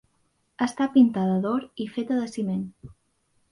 Està pintada d'or i feta de ciment.